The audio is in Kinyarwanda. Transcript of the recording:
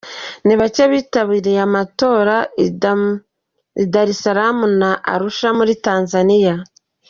Ni bake bitabiriye amatora i Dar es Salaam na Arusha muri Tanzania.